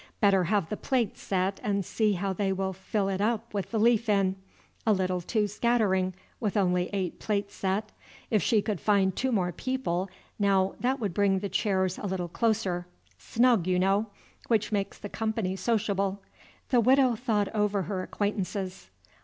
Better have the plates set and see how they will fill it up with the leaf in. A little too scattering with only eight plates set: if she could find two more people, now, that would bring the chairs a little closer, snug, you know, which makes the company sociable. The Widow thought over her acquaintances.